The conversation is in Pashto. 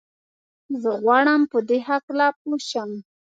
زه غواړم په دي هکله پوه سم.